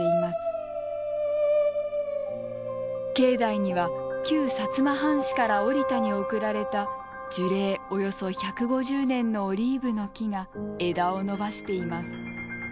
境内には旧摩藩士から折田に贈られた樹齢およそ１５０年のオリーブの樹が枝を伸ばしています。